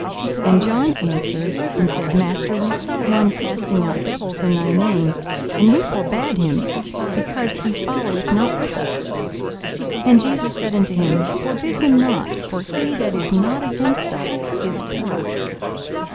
42:009:049 And John answered and said, Master, we saw one casting out devils in thy name; and we forbad him, because he followeth not with us. 42:009:050 And Jesus said unto him, Forbid him not: for he that is not against us is for us.